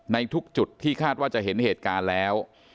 ในทุกจุดที่คาดว่าจะเห็นเหตุการณ์แล้ว